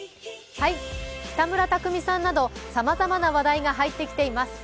北村匠海さんなどさまざまな話題が入ってきています。